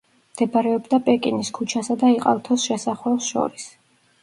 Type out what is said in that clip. მდებარეობდა პეკინის ქუჩასა და იყალთოს შესახვევს შორის.